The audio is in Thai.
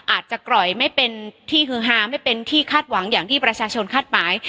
อาจจะปล่อยไม่เป็นที่ฮือฮาไม่เป็นที่คาดหวังอย่างที่ประชาชนคาดหมาย